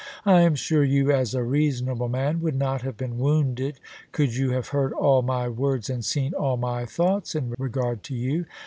I am sure you, as a reasonable man, would not have been wounded could you have heard all my words and seen all my thoughts in regard to you.